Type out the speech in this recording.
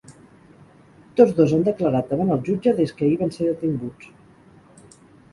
Tots dos han declarat davant el jutge des que ahir van ser detinguts.